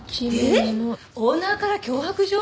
オーナーから脅迫状？